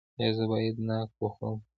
ایا زه باید ناک وخورم؟